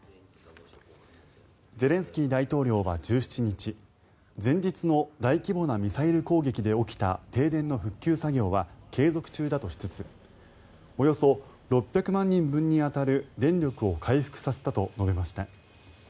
ゼレンスキー大統領は１７日前日の大規模なミサイル攻撃で起きた停電の復旧作業は継続中だとしつつおよそ６００万人分に当たる電力を回復させたと述べました。